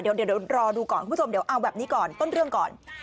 เดี๋ยวรอดูก่อนคุณผู้ชมเดี๋ยวเอาแบบนี้ก่อนต้นเรื่องก่อน